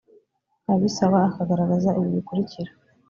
abisaba akagaragaza ibi bikurikira: